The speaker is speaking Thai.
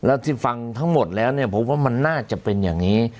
แล้วที่ฟังทั้งหมดแล้วเนี่ยผมว่ามันน่าจะเป็นอย่างนี้